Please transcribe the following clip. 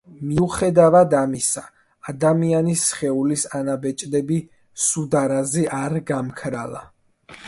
მიუხედავად ამისა, ადამიანის სხეულის ანაბეჭდები სუდარაზე არ გამქრალა.